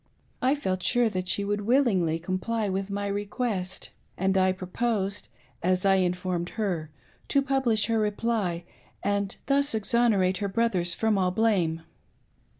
I felt sure that she would willingly comply with my request, and I proposed, as I informed her, to publish her reply, and thus exonerate her brothers from all blame.